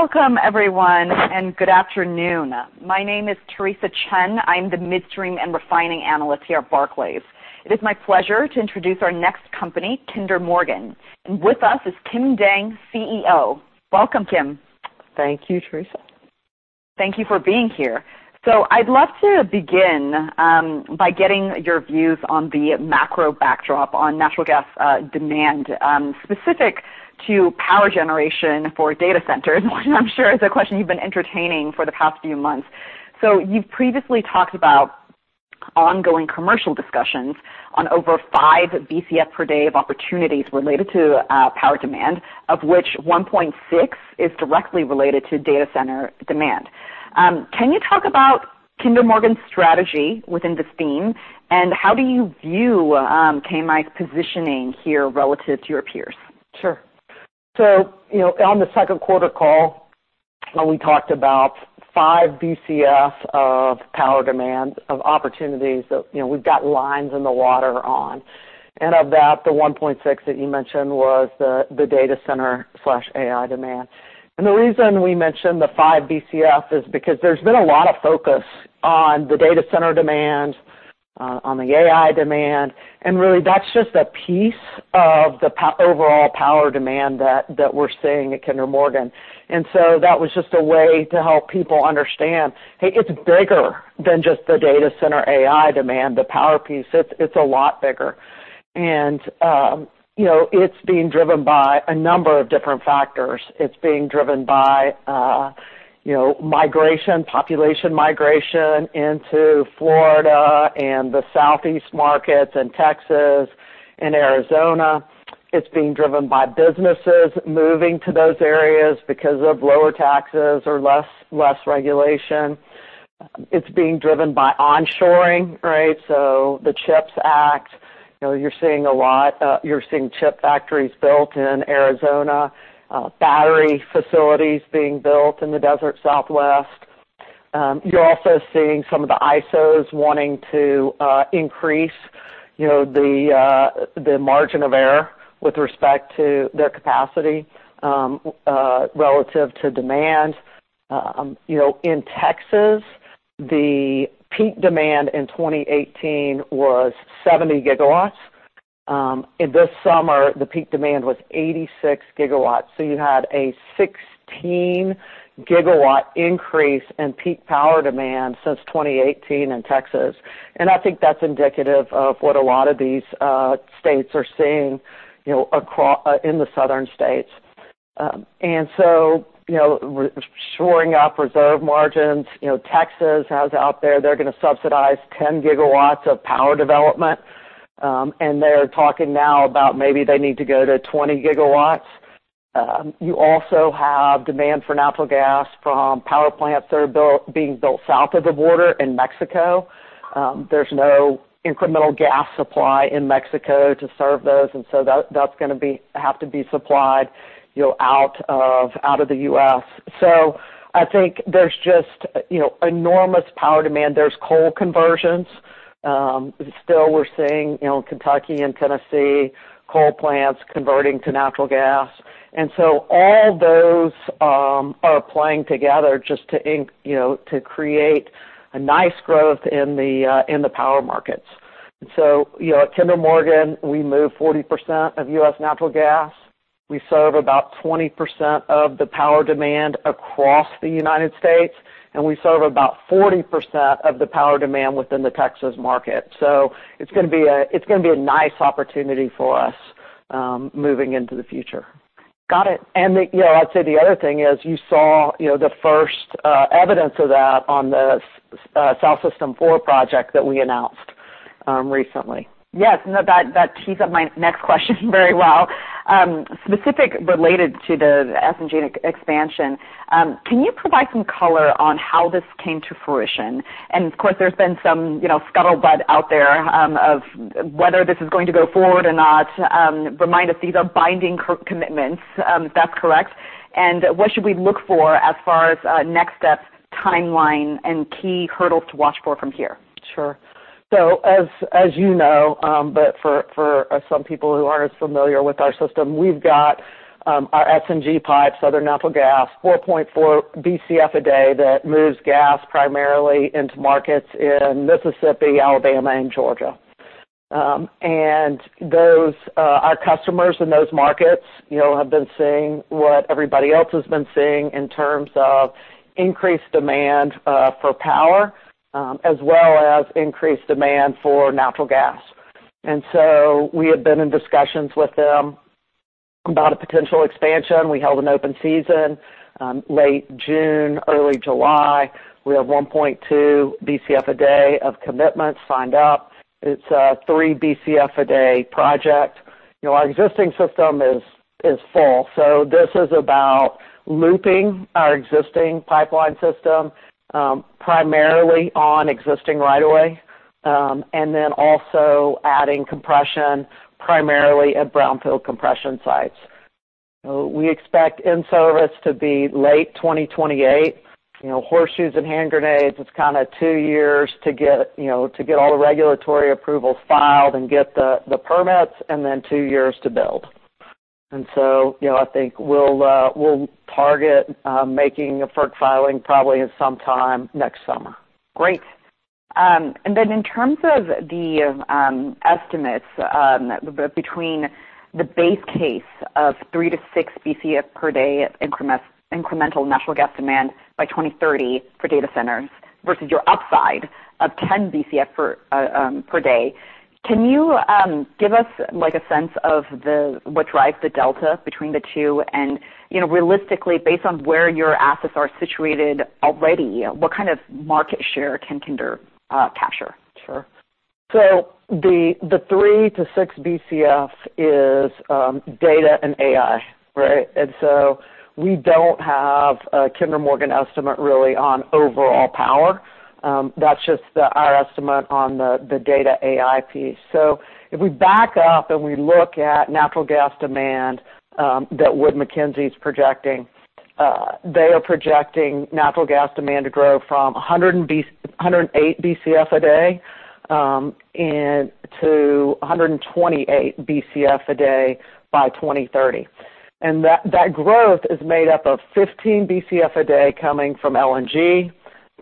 Welcome, everyone, and good afternoon. My name is Theresa Chen. I'm the midstream and refining analyst here at Barclays. It is my pleasure to introduce our next company, Kinder Morgan, and with us is Kim Dang, CEO. Welcome, Kim. Thank you, Theresa. Thank you for being here. So I'd love to begin by getting your views on the macro backdrop on natural gas demand specific to power generation for data centers, which I'm sure is a question you've been entertaining for the past few months. So you've previously talked about ongoing commercial discussions on over five Bcf per day of opportunities related to power demand, of which one point six is directly related to data center demand. Can you talk about Kinder Morgan's strategy within this theme? And how do you view KMI's positioning here relative to your peers? Sure. So, you know, on the second quarter call, we talked about five Bcf of power demand, of opportunities that, you know, we've got lines in the water on. And of that, the 1.6 that you mentioned was the data center/AI demand. And the reason we mentioned the five Bcf is because there's been a lot of focus on the data center demand on the AI demand, and really, that's just a piece of the overall power demand that we're seeing at Kinder Morgan. And so that was just a way to help people understand, hey, it's bigger than just the data center AI demand, the power piece. It's a lot bigger. And you know, it's being driven by a number of different factors. It's being driven by, you know, migration, population migration into Florida and the Southeast markets and Texas and Arizona. It's being driven by businesses moving to those areas because of lower taxes or less regulation. It's being driven by onshoring, right? So the CHIPS Act, you know, you're seeing a lot, you're seeing chip factories built in Arizona, battery facilities being built in the desert Southwest. You're also seeing some of the ISOs wanting to increase, you know, the margin of error with respect to their capacity relative to demand. You know, in Texas, the peak demand in 2018 was 70 GW. And this summer, the peak demand was 86 GW. So you had a 16 GW increase in peak power demand since 2018 in Texas. And I think that's indicative of what a lot of these states are seeing, you know, in the Southern states. So, you know, shoring up reserve margins, you know. Texas has out there. They're going to subsidize 10 GW of power development, and they're talking now about maybe they need to go to 20 GW. You also have demand for natural gas from power plants that are being built south of the border in Mexico. There's no incremental gas supply in Mexico to serve those, and so that's going to have to be supplied, you know, out of the U.S. So I think there's just, you know, enormous power demand. There's coal conversions. Still, we're seeing, you know, Kentucky and Tennessee coal plants converting to natural gas. And so all those are playing together just to you know, to create a nice growth in the power markets. So, you know, at Kinder Morgan, we move 40% of U.S. natural gas. We serve about 20% of the power demand across the United States, and we serve about 40% of the power demand within the Texas market. So it's going to be a nice opportunity for us, moving into the future. Got it. You know, I'd say the other thing is, you know, the first evidence of that on the South System 4 project that we announced recently. Yes, that tees up my next question very well. Specific related to the SNG expansion, can you provide some color on how this came to fruition? And of course, there's been some, you know, scuttlebutt out there of whether this is going to go forward or not. Remind us, these are binding co-commitments, if that's correct. And what should we look for as far as next steps, timeline, and key hurdles to watch for from here? Sure. So as you know, but for some people who aren't as familiar with our system, we've got our SNG pipes, Southern Natural Gas, 4.4 Bcf a day, that moves gas primarily into markets in Mississippi, Alabama, and Georgia. And those, our customers in those markets, you know, have been seeing what everybody else has been seeing in terms of increased demand for power as well as increased demand for natural gas. And so we have been in discussions with them about a potential expansion. We held an open season late June, early July. We have 1.2 Bcf a day of commitments signed up. It's a 3 Bcf a day project. You know, our existing system is full, so this is about looping our existing pipeline system, primarily on existing right of way, and then also adding compression, primarily at brownfield compression sites. So we expect in-service to be late 2028. You know, horseshoes and hand grenades. It's kind of two years to get, you know, to get all the regulatory approvals filed and get the permits, and then two years to build. And so, you know, I think we'll target making a FERC filing probably sometime next summer. Great. And then in terms of the estimates between the base case of three to 6 Bcf per day incremental natural gas demand by 2030 for data centers, versus your upside of 10 Bcf per day, can you give us, like, a sense of what drives the delta between the two? And, you know, realistically, based on where your assets are situated already, what kind of market share can Kinder Morgan capture? Sure. So the 3 Bcf-6 Bcf is data and AI, right? And so we don't have a Kinder Morgan estimate really on overall power. That's just our estimate on the data AI piece. So if we back up and we look at natural gas demand, that Wood Mackenzie's projecting, they are projecting natural gas demand to grow from 108 Bcf a day and to 128 Bcf a day by 2030. And that growth is made up of 15 Bcf a day coming from LNG,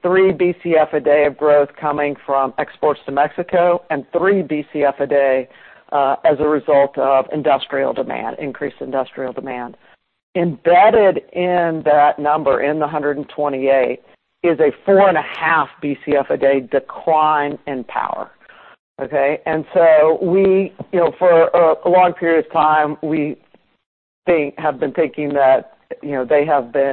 3 Bcf a day of growth coming from exports to Mexico, and 3 Bcf a day as a result of industrial demand, increased industrial demand. Embedded in that number, in the 128, is a 4.5 Bcf a day decline in power, okay? And so we, you know, for a long period of time, we have been thinking that, you know,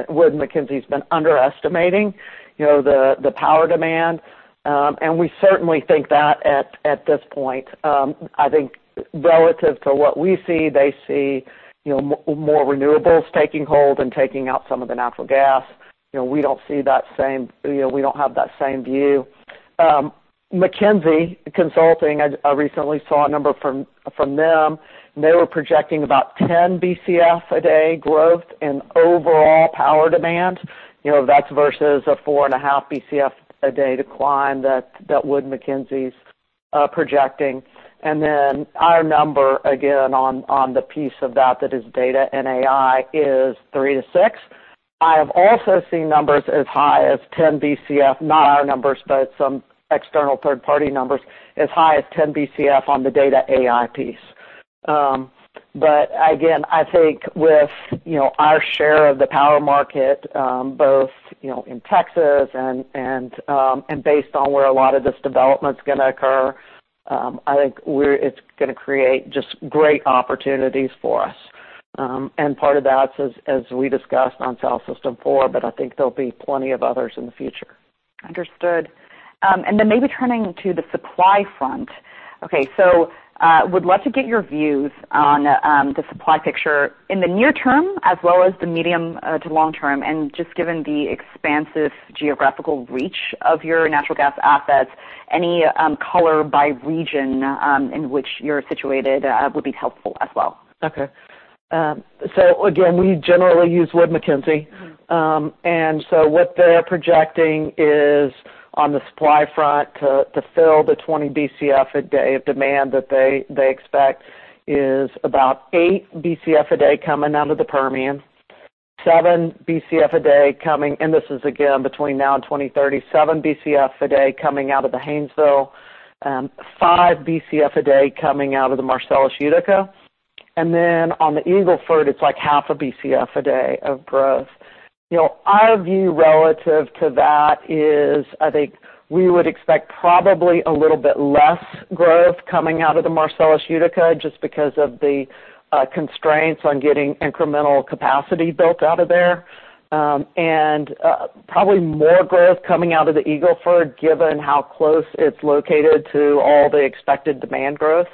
Wood Mackenzie's been underestimating, you know, the power demand, and we certainly think that at this point. I think relative to what we see, they see, you know, more renewables taking hold and taking out some of the natural gas. You know, we don't see that same, you know, we don't have that same view. McKinsey Consulting, I recently saw a number from them, and they were projecting about 10 Bcf a day growth in overall power demand, you know, that's versus a 4.5 Bcf a day decline that Wood Mackenzie's projecting. Then our number, again, on the piece of that that is data and AI, is 3-6. I have also seen numbers as high as 10 Bcf, not our numbers, but some external third-party numbers, as high as 10 Bcf on the data AI piece. But again, I think with you know our share of the power market both you know in Texas and based on where a lot of this development's gonna occur, I think it's gonna create just great opportunities for us. And part of that's as we discussed on South System 4, but I think there'll be plenty of others in the future. Understood, and then maybe turning to the supply front. Okay, so would love to get your views on the supply picture in the near term, as well as the medium to long term, and just given the expansive geographical reach of your natural gas assets, any color by region in which you're situated would be helpful as well. Okay. So again, we generally use Wood Mackenzie. And so what they're projecting is on the supply front, to fill the 20 Bcf a day of demand that they expect, is about 8 Bcf a day coming out of the Permian, 7 Bcf a day coming, and this is again between now and twenty thirty, 7 Bcf a day coming out of the Haynesville, 5 Bcf a day coming out of the Marcellus Utica. And then on the Eagle Ford, it's like 0.5 Bcf a day of growth. You know, our view relative to that is, I think we would expect probably a little bit less growth coming out of the Marcellus Utica, just because of the constraints on getting incremental capacity built out of there, and probably more growth coming out of the Eagle Ford, given how close it's located to all the expected demand growth,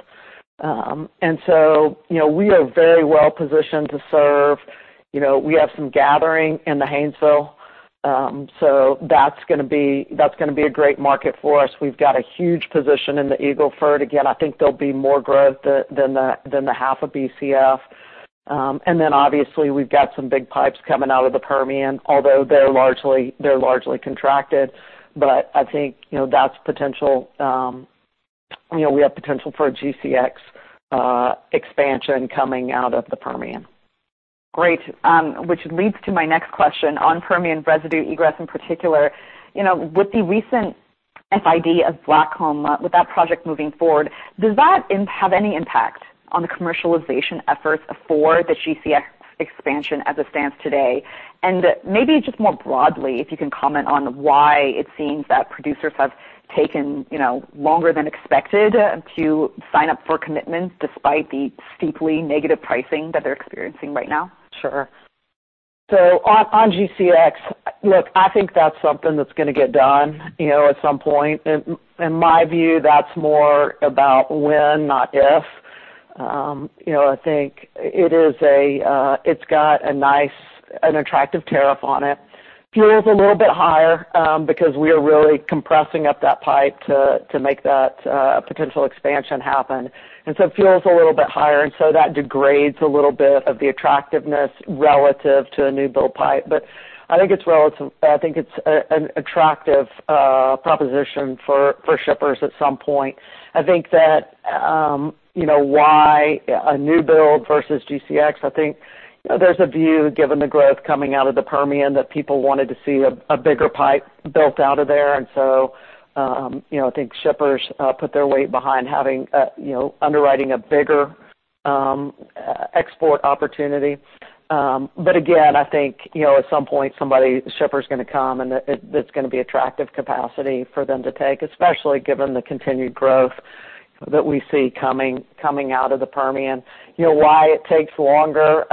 and so you know, we are very well positioned to serve. You know, we have some gathering in the Haynesville, so that's gonna be a great market for us. We've got a huge position in the Eagle Ford. Again, I think there'll be more growth than the 0.5 Bcf. And then obviously, we've got some big pipes coming out of the Permian, although they're largely contracted, but I think, you know, that's potential, you know, we have potential for a GCX expansion coming out of the Permian. Great, which leads to my next question on Permian residue egress in particular. You know, with the recent FID of Blackcomb, with that project moving forward, does that have any impact on the commercialization efforts for the GCX expansion as it stands today? And maybe just more broadly, if you can comment on why it seems that producers have taken, you know, longer than expected to sign up for commitments despite the steeply negative pricing that they're experiencing right now. Sure. So on GCX, look, I think that's something that's gonna get done, you know, at some point. In my view, that's more about when, not if. You know, I think it is. It's got a nice, an attractive tariff on it. Fuel's a little bit higher because we are really compressing up that pipe to make that potential expansion happen. And so fuel is a little bit higher, and so that degrades a little bit of the attractiveness relative to a new build pipe. But I think it's relative. I think it's an attractive proposition for shippers at some point. I think that, you know, why a new build versus GCX? I think, you know, there's a view, given the growth coming out of the Permian, that people wanted to see a bigger pipe built out of there. And so, you know, I think shippers put their weight behind having, you know, underwriting a bigger export opportunity. But again, I think, you know, at some point, somebody, shipper's going to come, and it's going to be attractive capacity for them to take, especially given the continued growth that we see coming out of the Permian. You know, why it takes longer?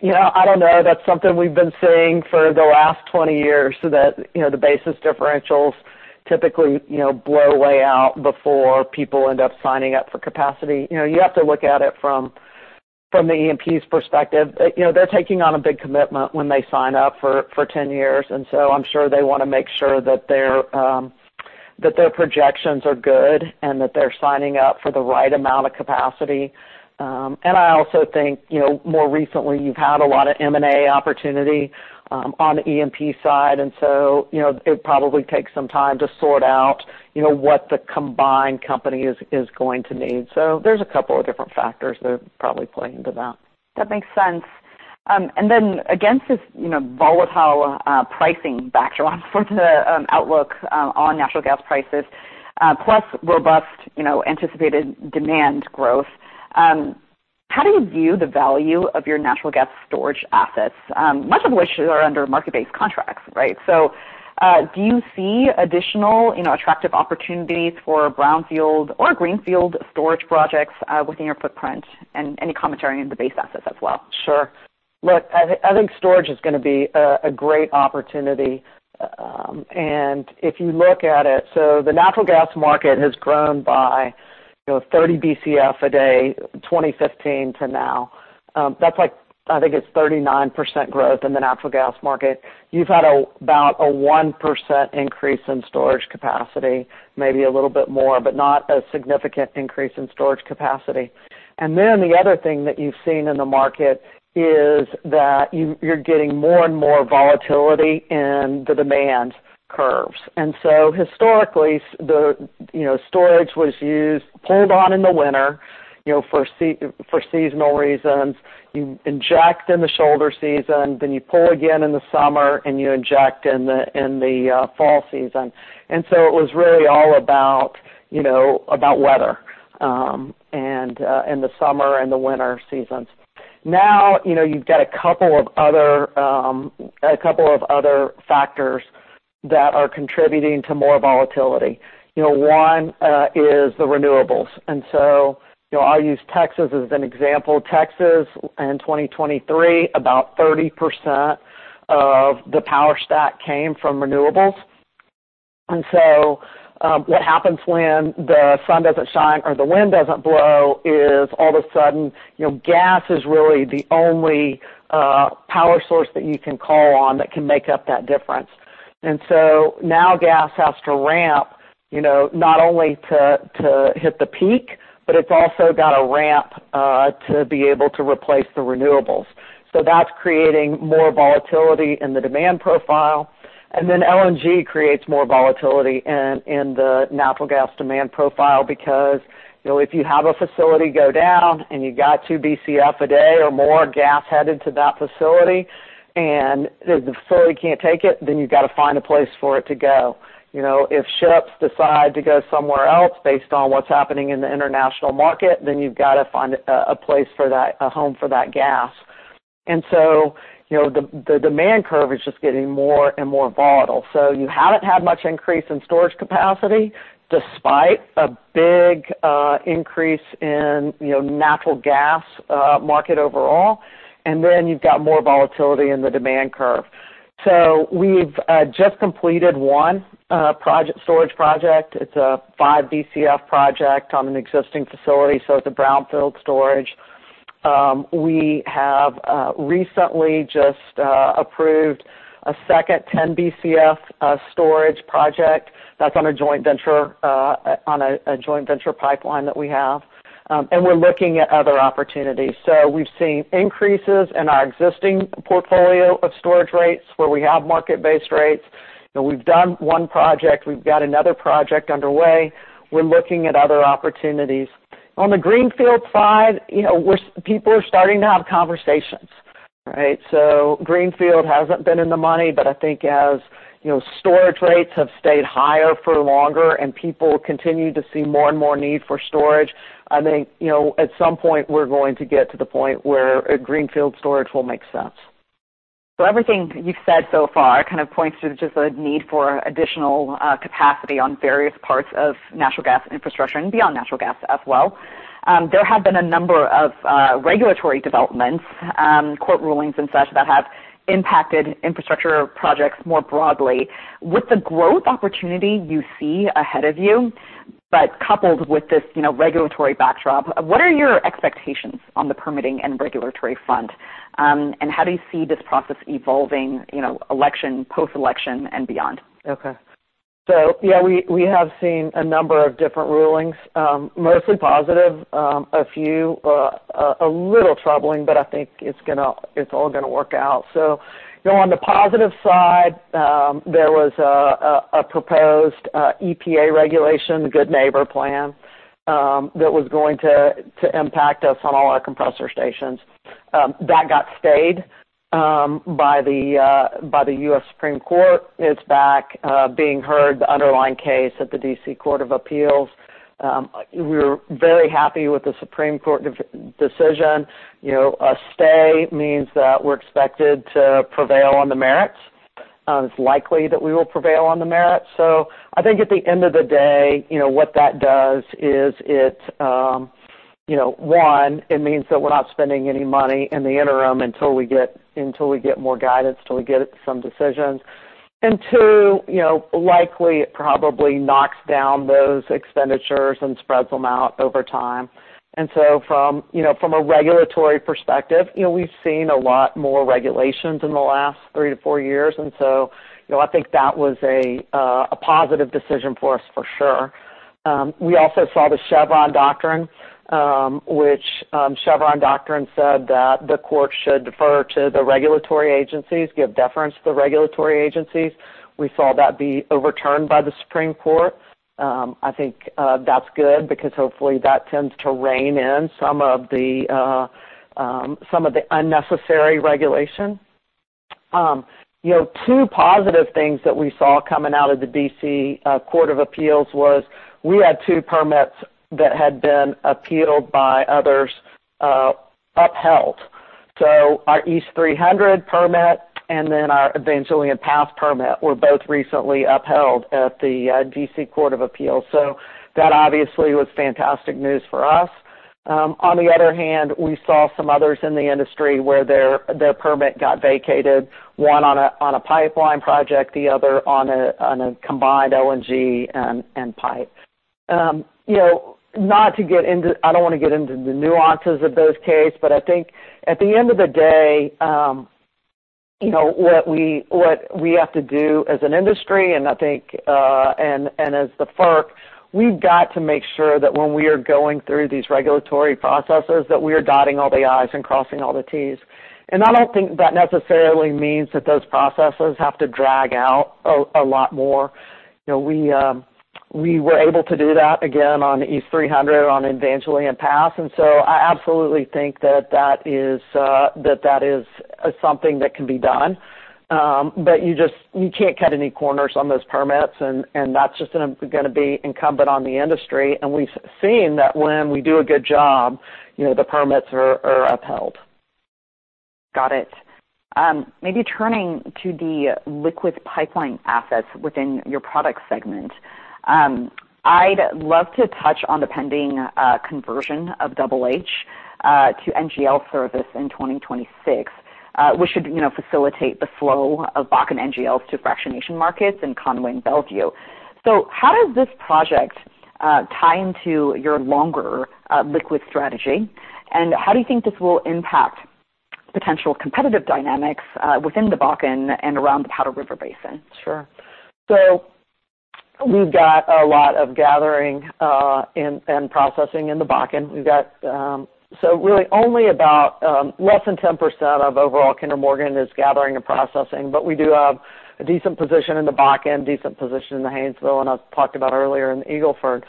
You know, I don't know. That's something we've been saying for the last twenty years, so that, you know, the basis differentials typically, you know, blow way out before people end up signing up for capacity. You know, you have to look at it from the E&P's perspective. You know, they're taking on a big commitment when they sign up for ten years, and so I'm sure they want to make sure that their projections are good and that they're signing up for the right amount of capacity, and I also think, you know, more recently, you've had a lot of M&A opportunity on the E&P side, and so, you know, it probably takes some time to sort out, you know, what the combined company is going to need, so there's a couple of different factors that are probably playing into that. That makes sense. And then against this, you know, volatile, pricing backdrop for the, outlook, on natural gas prices, plus robust, you know, anticipated demand growth, how do you view the value of your natural gas storage assets, much of which are under market-based contracts, right? So, do you see additional, you know, attractive opportunities for brownfield or greenfield storage projects, within your footprint? And any commentary on the base assets as well. Sure. Look, I think storage is going to be a great opportunity. And if you look at it, so the natural gas market has grown by, you know, 30 Bcf a day, 2015 to now. That's like, I think it's 39% growth in the natural gas market. You've had about a 1% increase in storage capacity, maybe a little bit more, but not a significant increase in storage capacity. And then the other thing that you've seen in the market is that you're getting more and more volatility in the demand curves. And so historically, the, you know, storage was used, pulled on in the winter, you know, for seasonal reasons. You inject in the shoulder season, then you pull again in the summer, and you inject in the fall season. And so it was really all about, you know, about weather, and in the summer and the winter seasons. Now, you know, you've got a couple of other factors that are contributing to more volatility. You know, one is the renewables. And so, you know, I'll use Texas as an example. Texas, in 2023, about 30% of the power stack came from renewables. And so, what happens when the sun doesn't shine or the wind doesn't blow is all of a sudden, you know, gas is really the only power source that you can call on that can make up that difference. And so now gas has to ramp, you know, not only to hit the peak, but it's also got to ramp to be able to replace the renewables. So that's creating more volatility in the demand profile. And then LNG creates more volatility in the natural gas demand profile, because, you know, if you have a facility go down and you got 2 Bcf a day or more gas headed to that facility, and the facility can't take it, then you've got to find a place for it to go. You know, if ships decide to go somewhere else based on what's happening in the international market, then you've got to find a place for that, a home for that gas. And so, you know, the demand curve is just getting more and more volatile. So you haven't had much increase in storage capacity, despite a big increase in, you know, natural gas market overall, and then you've got more volatility in the demand curve. So we've just completed one project, storage project. It's a five Bcf project on an existing facility, so it's a brownfield storage. We have recently just approved a second 10 Bcf storage project that's on a joint venture on a joint venture pipeline that we have, and we're looking at other opportunities. So we've seen increases in our existing portfolio of storage rates, where we have market-based rates. You know, we've done one project, we've got another project underway. We're looking at other opportunities. On the greenfield side, you know, we're people are starting to have conversations, right? So greenfield hasn't been in the money, but I think as, you know, storage rates have stayed higher for longer and people continue to see more and more need for storage, I think, you know, at some point, we're going to get to the point where a greenfield storage will make sense. Everything you've said so far kind of points to just a need for additional capacity on various parts of natural gas infrastructure and beyond natural gas as well. There have been a number of regulatory developments, court rulings and such, that have impacted infrastructure projects more broadly. With the growth opportunity you see ahead of you, but coupled with this, you know, regulatory backdrop, what are your expectations on the permitting and regulatory front? How do you see this process evolving, you know, election, post-election, and beyond? Okay. So yeah, we have seen a number of different rulings, mostly positive, a few a little troubling, but I think it's gonna- it's all gonna work out. So, you know, on the positive side, there was a proposed EPA regulation, the Good Neighbor Plan, that was going to impact us on all our compressor stations. That got stayed by the U.S. Supreme Court. It's back being heard, the underlying case at the D.C. Court of Appeals. We're very happy with the Supreme Court decision. You know, a stay means that we're expected to prevail on the merits. It's likely that we will prevail on the merits. So I think at the end of the day, you know, what that does is it, you know, one, it means that we're not spending any money in the interim until we get more guidance, till we get some decisions. And two, you know, likely, it probably knocks down those expenditures and spreads them out over time. And so from, you know, from a regulatory perspective, you know, we've seen a lot more regulations in the last three to four years, and so, you know, I think that was a positive decision for us for sure. We also saw the Chevron doctrine, which, Chevron doctrine said that the court should defer to the regulatory agencies, give deference to the regulatory agencies. We saw that be overturned by the Supreme Court. I think that's good because hopefully, that tends to rein in some of the unnecessary regulation. You know, two positive things that we saw coming out of the D.C. Court of Appeals was we had two permits that had been appealed by others upheld. So our East 300 permit and then our Evangeline Pass permit were both recently upheld at the D.C. Court of Appeals, so that obviously was fantastic news for us. On the other hand, we saw some others in the industry where their permit got vacated, one on a pipeline project, the other on a combined LNG and pipe. You know, not to get into the nuances of those cases, but I think at the end of the day, what we have to do as an industry, and as the FERC, we've got to make sure that when we are going through these regulatory processes, that we are dotting all the I's and crossing all the T's. I don't think that necessarily means that those processes have to drag out a lot more. You know, we were able to do that again on East 300, on Evangeline Pass, and so I absolutely think that that is something that can be done. But you just, you can't cut any corners on those permits, and that's just gonna be incumbent on the industry. We've seen that when we do a good job, you know, the permits are upheld. Got it. Maybe turning to the liquid pipeline assets within your products segment. I'd love to touch on the pending conversion of Double H to NGL service in 2026, which should, you know, facilitate the flow of Bakken NGLs to fractionation markets in Conway and Mont Belvieu. So how does this project tie into your longer liquid strategy? And how do you think this will impact potential competitive dynamics within the Bakken and around the Powder River Basin? Sure. So we've got a lot of gathering and processing in the Bakken. We've got so really only about less than 10% of overall Kinder Morgan is gathering and processing, but we do have a decent position in the Bakken, decent position in the Haynesville, and I've talked about earlier in the Eagle Ford.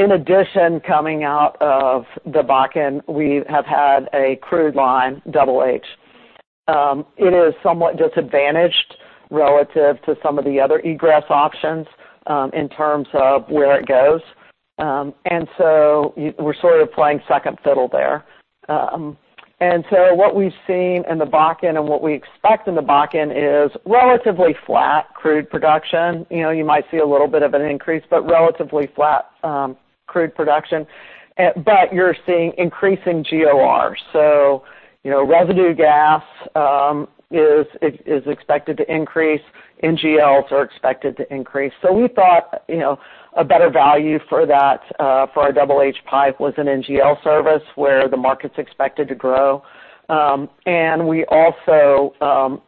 In addition, coming out of the Bakken, we have had a crude line, Double H. It is somewhat disadvantaged relative to some of the other egress options in terms of where it goes. And so we're sort of playing second fiddle there. And so what we've seen in the Bakken and what we expect in the Bakken is relatively flat crude production. You know, you might see a little bit of an increase, but relatively flat crude production. But you're seeing increasing GOR. So, you know, residue gas is expected to increase. NGLs are expected to increase. We thought, you know, a better value for that for our Double H pipe was an NGL service, where the market's expected to grow. And we also,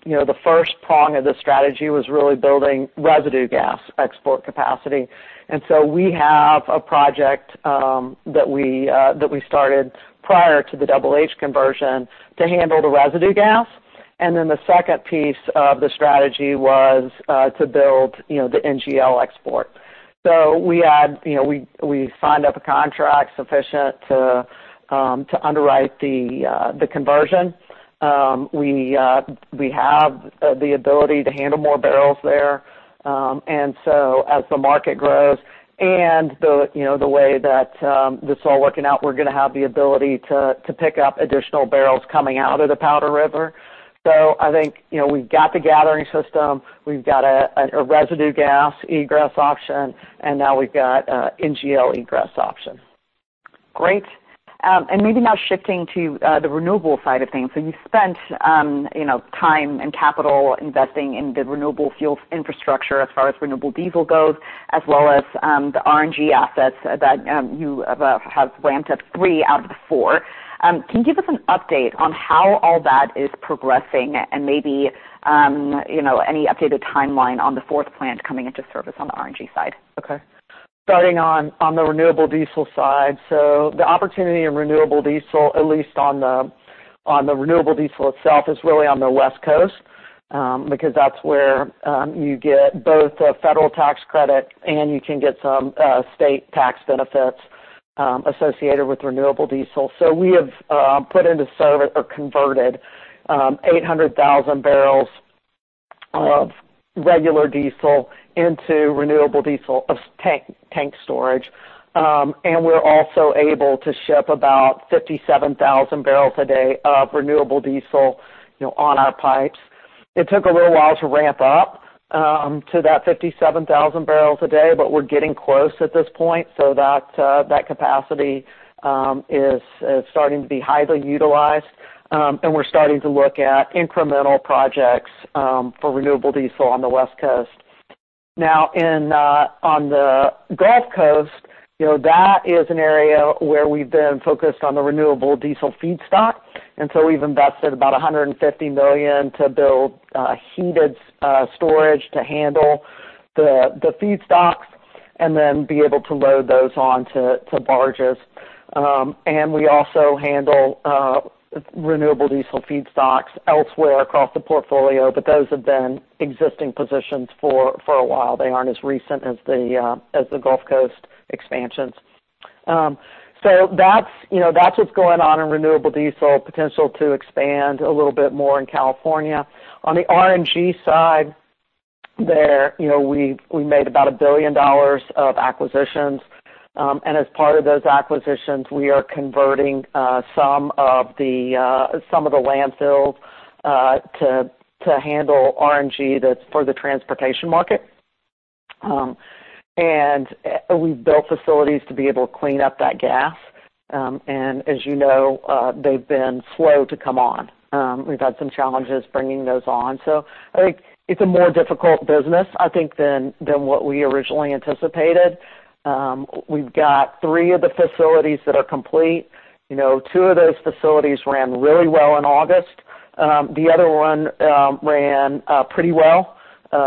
you know, the first prong of the strategy was really building residue gas export capacity. We have a project that we started prior to the Double H conversion to handle the residue gas. The second piece of the strategy was to build, you know, the NGL export. We had, you know, we signed up a contract sufficient to underwrite the conversion. We have the ability to handle more barrels there. And so as the market grows and the, you know, the way that this is all working out, we're gonna have the ability to pick up additional barrels coming out of the Powder River. So I think, you know, we've got the gathering system, we've got a residue gas egress option, and now we've got a NGL egress option. Great, and maybe now shifting to the renewable side of things. So you spent, you know, time and capital investing in the renewable fuels infrastructure as far as renewable diesel goes, as well as, the RNG assets that you have ramped up three out of the four. Can you give us an update on how all that is progressing and maybe, you know, any updated timeline on the fourth plant coming into service on the RNG side? Okay. Starting on the renewable diesel side, so the opportunity in renewable diesel, at least on the renewable diesel itself, is really on the West Coast, because that's where you get both the federal tax credit, and you can get some state tax benefits associated with renewable diesel. So we have put into service or converted eight hundred thousand barrels of regular diesel into renewable diesel of tank storage. And we're also able to ship about fifty-seven thousand barrels a day of renewable diesel, you know, on our pipes. It took a little while to ramp up, to that 57,000 bbl a day, but we're getting close at this point, so that, that capacity, is starting to be highly utilized, and we're starting to look at incremental projects, for renewable diesel on the West Coast. Now, in, on the Gulf Coast, you know, that is an area where we've been focused on the renewable diesel feedstock, and so we've invested about $150 million to build, heated, storage to handle the feedstocks and then be able to load those onto barges. And we also handle, renewable diesel feedstocks elsewhere across the portfolio, but those have been existing positions for a while. They aren't as recent as the, as the Gulf Coast expansions. So that's, you know, that's what's going on in renewable diesel, potential to expand a little bit more in California. On the RNG side, you know, we made about $1 billion of acquisitions. And as part of those acquisitions, we are converting some of the landfills to handle RNG that's for the transportation market. And we've built facilities to be able to clean up that gas. And as you know, they've been slow to come on. We've had some challenges bringing those on. So I think it's a more difficult business, I think, than what we originally anticipated. We've got three of the facilities that are complete. You know, two of those facilities ran really well in August. The other one ran pretty well. You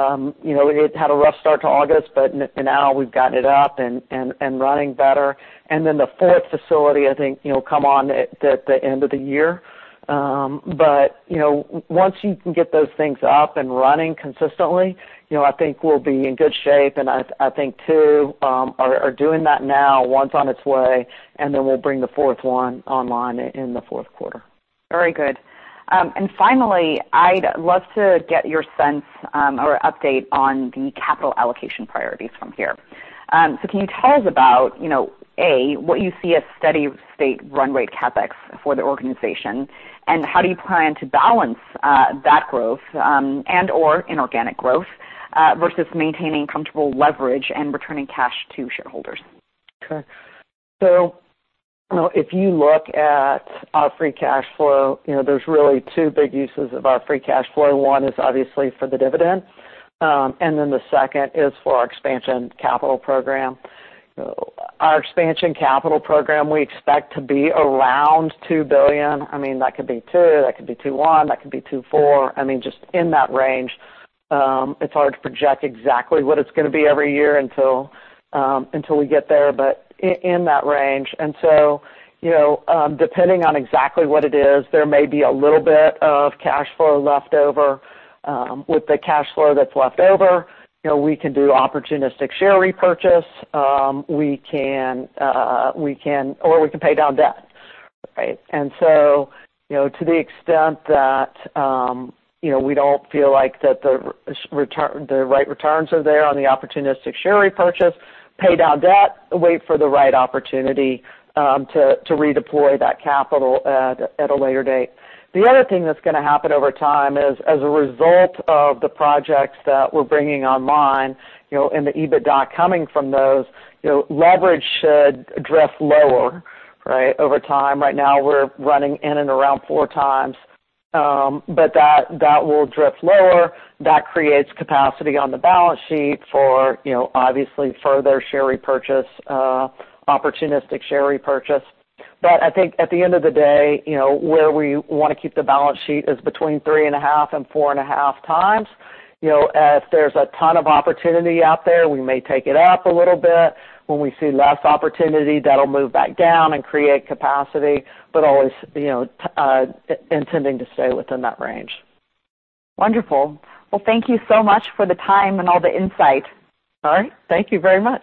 know, it had a rough start to August, but now we've gotten it up and running better, and then the fourth facility, I think, you know, comes on at the end of the year, but you know, once you can get those things up and running consistently, you know, I think we'll be in good shape, and I think two are doing that now. One's on its way, and then we'll bring the fourth one online in the fourth quarter. Very good, and finally, I'd love to get your sense or update on the capital allocation priorities from here, so can you tell us about, you know, a, what you see as steady-state run rate CapEx for the organization, and how do you plan to balance that growth and/or inorganic growth versus maintaining comfortable leverage and returning cash to shareholders? Okay, so, you know, if you look at our free cash flow, you know, there's really two big uses of our free cash flow. One is obviously for the dividend, and then the second is for our expansion capital program. Our expansion capital program, we expect to be around $2 billion. I mean, that could be $2 billion, that could be $2.1 billion, that could be $2.4 billion. I mean, just in that range. It's hard to project exactly what it's gonna be every year until we get there, but in that range, so, you know, depending on exactly what it is, there may be a little bit of cash flow left over. With the cash flow that's left over, you know, we can do opportunistic share repurchase or we can pay down debt, right? To the extent that, you know, we don't feel like that the right returns are there on the opportunistic share repurchase, pay down debt, and wait for the right opportunity, to redeploy that capital at a later date. The other thing that's gonna happen over time is, as a result of the projects that we're bringing online, you know, and the EBITDA coming from those, you know, leverage should drift lower, right, over time. Right now, we're running in and around four times, but that will drift lower. That creates capacity on the balance sheet for, you know, obviously, further share repurchase, opportunistic share repurchase. But I think at the end of the day, you know, where we wanna keep the balance sheet is between 3.5x and 4.5x. You know, if there's a ton of opportunity out there, we may take it up a little bit. When we see less opportunity, that'll move back down and create capacity, but always, you know, intending to stay within that range. Wonderful. Well, thank you so much for the time and all the insight. All right. Thank you very much.